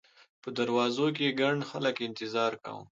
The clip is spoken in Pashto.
په دروازو کې ګڼ خلک انتظار کاوه.